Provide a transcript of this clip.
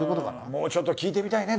もうちょっと聞いてみたいね。